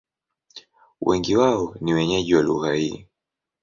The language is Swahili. Wengi wao ni wenyeji wa lugha hii.